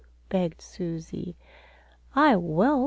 begged Susie. "I will!"